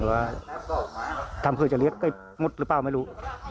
หรือว่าทางอำเภอจะเลี้ยงใกล้มุดหรือเปล่าไม่รู้